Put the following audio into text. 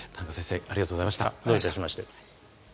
田中先生、ありがとうございました。